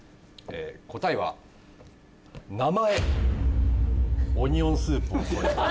答えは「名前オニオンスープをそえて」。